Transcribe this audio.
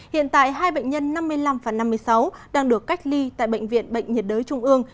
hiện tại hai bệnh nhân năm mươi năm và năm mươi sáu đang được cách ly tại bệnh viện bệnh nhiệt đới trung ương